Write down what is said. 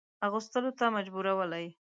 اغوستلو ته مجبورولې.